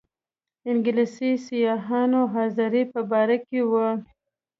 انګلیسي سیاحانو حاضري په دربار کې وه.